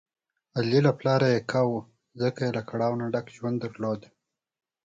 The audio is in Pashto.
علي له پلاره یکه و، ځکه یې له کړاو نه ډک ژوند درلود.